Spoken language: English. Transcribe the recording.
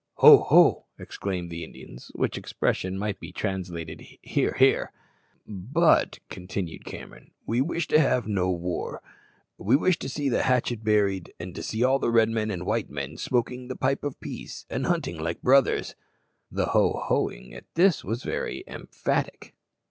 "Ho! ho!" exclaimed the Indians, which expression might be translated, "Hear! hear!" "But," continued Cameron, "we wish to have no war. We wish to see the hatchet buried, and to see all the red men and the white men smoking the pipe of peace, and hunting like brothers." The "Ho ho ing" at this was very emphatic.